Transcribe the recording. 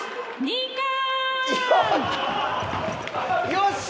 よし！